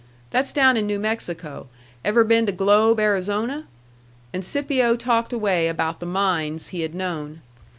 "That's down in New Mexico. Ever been to Globe, Arizona?" And Scipio talked away about the mines he had known.